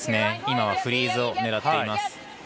今はフリーズを狙っています。